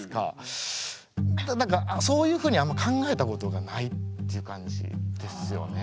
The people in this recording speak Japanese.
何かそういうふうにあんま考えたことがないっていう感じですよね。